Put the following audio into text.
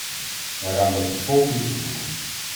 Daaraan wil ik het volgende toevoegen.